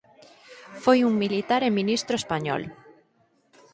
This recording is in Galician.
Foi un militar e ministro español.